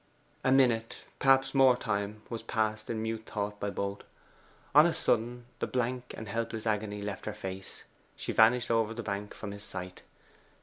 A minute perhaps more time was passed in mute thought by both. On a sudden the blank and helpless agony left her face. She vanished over the bank from his sight.